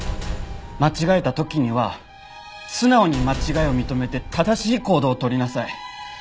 間違えた時には素直に間違いを認めて正しい行動をとりなさい。